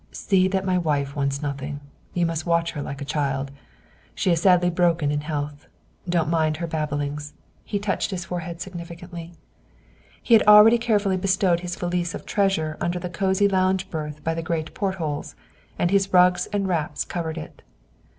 "See that my wife wants nothing. You must watch her like a child. "She is sadly broken in health. Don't mind her babblings!" He touched his forehead significantly. He had already carefully bestowed his valise of treasure under the cosy lounge berth by the great portholes, and his rugs and wraps covered it.